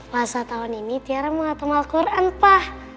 masa tahun ini tiara mau ngatam alquran pa